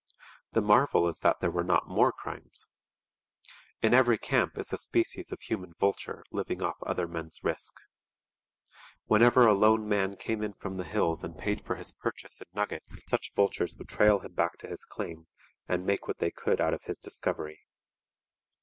The marvel is that there were not more crimes. In every camp is a species of human vulture living off other men's risk. Whenever a lone man came in from the hills and paid for his purchase in nuggets, such vultures would trail him back to his claim and make what they could out of his discovery.